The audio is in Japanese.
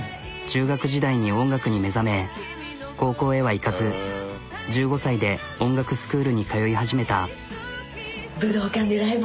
中学時代に音楽に目覚め高校へはいかず１５歳で音楽スクールに通い始めた。